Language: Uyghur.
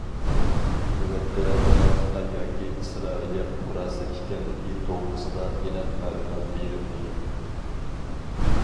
نۆۋەتتە ئۇنىڭ خىتاي ياكى ئىسرائىلىيە پۇقراسى ئىكەنلىكى توغرىسىدا ئېنىق مەلۇمات بېرىلمىگەن.